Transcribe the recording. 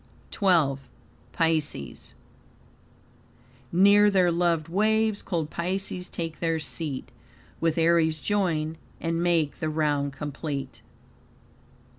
XII. Pisces "Near their loved waves cold Pisces take their seat, With Aries join, and make the round complete."